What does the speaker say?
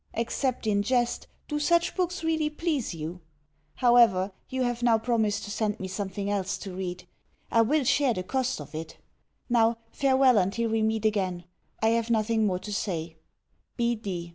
Except in jest, do such books really please you? However, you have now promised to send me something else to read. I will share the cost of it. Now, farewell until we meet again. I have nothing more to say.